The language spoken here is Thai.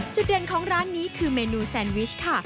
จุดเด่นของร้านนี้คือเมนูแซนวิชค่ะ